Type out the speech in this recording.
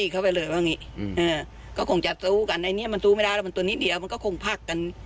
กก็คงจะสู้กันไอนี้มันสู้ไม่ได้แต่ที่นี้หนีแล้วมันก็คงพักกัน